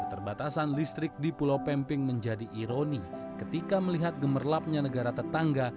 keterbatasan listrik di pulau pemping menjadi ironi ketika melihat gemerlapnya negara tetangga